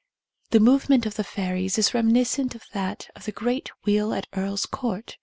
The movement of the fairies is reminiscent of that of the great wheel at Earl 's Court.